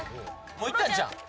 もういったんちゃうん？